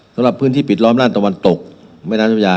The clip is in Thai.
สำหรับพื้นที่ปิดล้อมด้านตะวันตกเมืองน้ำชมยา